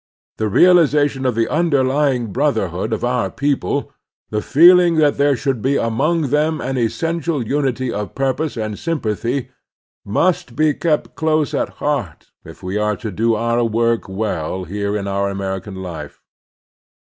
The realization of the tmderlying brotherhood of our people, the feeling that there should be among them an essential unity of purpose and sympathy, must be kept close at heart if we are to do oiu' work well here in our American life.